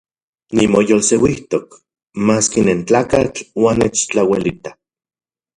Nimoyolseuijtok maski nentlakatl uan nechtlauelita.